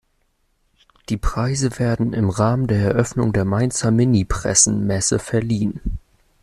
Die Preise werden im Rahmen der Eröffnung der Mainzer Minipressen-Messe verliehen.